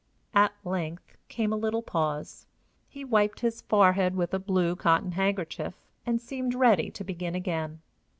At length came a little pause. He wiped his forehead with a blue cotton handkerchief, and seemed ready to begin again.